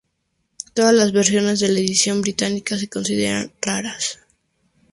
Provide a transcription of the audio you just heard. Todas las versiones de la edición británica se consideran raras.